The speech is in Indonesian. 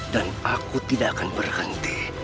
aku tidak akan berhenti